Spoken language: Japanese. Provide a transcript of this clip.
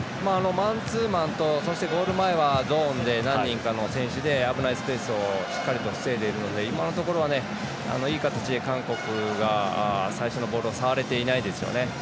マンツーマンとゴール前はゾーンで何人かの選手で危ないところをしっかり防いでいるので今のところは、いい形で韓国が最初のボールを触れてないですね。